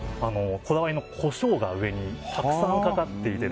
こだわりのコショウが上にたくさんかかっていて。